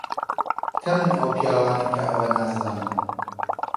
کەمن ئەو پیاوانەی کە ئەوە نازانن.